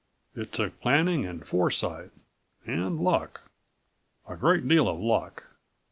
It took planning and foresight. And ... luck. A great deal of luck.